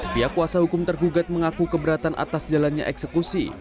pihak kuasa hukum tergugat mengaku keberatan atas jalannya eksekusi